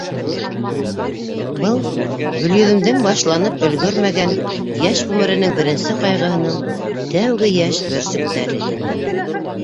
Был Гөлйөҙөмдөң башланып өлгөрмәгән йәш ғүмеренең беренсе ҡайғыһының тәүге йәш бөрсөктәре ине.